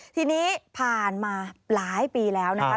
ทีนี้ผ่านมาหลายปีแล้วนะครับ